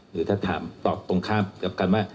หรือถ้าถามตอบตรงข้ามกับกันว่า